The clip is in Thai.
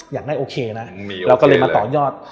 อยากได้โอเคนะเราก็เลยมาต่อยอด